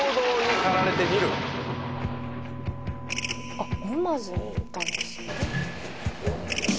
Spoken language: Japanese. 「あっ沼津に行ったんですね」